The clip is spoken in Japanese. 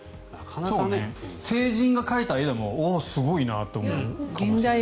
成人が描いた絵でもすごいなと思うかもしれない。